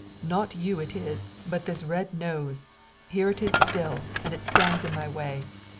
Not you it is, but this red nose! Here it is still, and it stands in my way."